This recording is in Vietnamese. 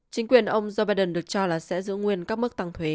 chính quyền ông joe biden được cho là sẽ giữ nguyên các mức tăng thuế